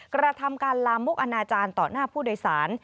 กระทำการลามกอนาจารย์ต่อหน้าผู้โดยสาร